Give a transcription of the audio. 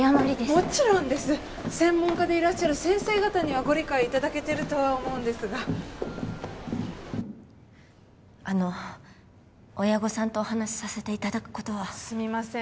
もちろんです専門家でいらっしゃる先生方にはご理解いただけてるとは思うんですがあの親御さんとお話しさせていただくことはすみません